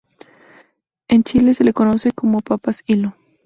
En Chile se le conoce como "papas hilo".